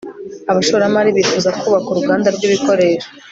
abashoramari bifuza kubaka uruganda rw ibikoresho